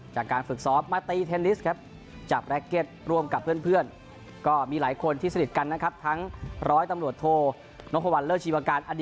จากการฝึกซ้อมมาตีเทนนิสครับ